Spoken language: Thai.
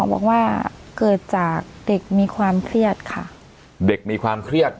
บอกว่าเกิดจากเด็กมีความเครียดค่ะเด็กมีความเครียด